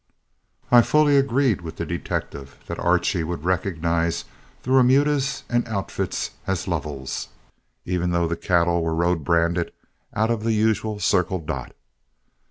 I fully agreed with the detective that Archie would recognize the remudas and outfits as Lovell's, even though the cattle were road branded out of the usual "Circle Dot."